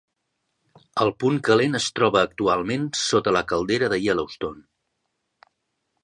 El punt calent es troba actualment sota la Caldera de Yellowstone.